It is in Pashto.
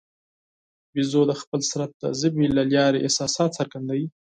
بیزو د خپل بدن د ژبې له لارې احساسات څرګندوي.